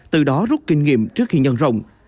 từ đó rút kinh nghiệm trước khi nhân rộng